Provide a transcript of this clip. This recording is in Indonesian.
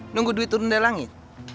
nunggu duit turun dari langit